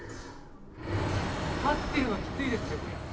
立ってるのがきついですね。